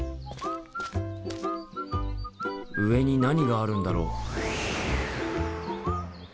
上に何があるんだろ？